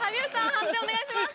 判定お願いします。